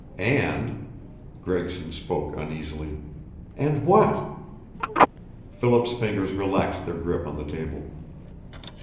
"And " Gregson spoke, uneasily. "And what?" Philip's fingers relaxed their grip on the table.